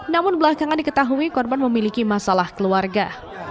namun belakangan diketahui korban memiliki masalah keluarga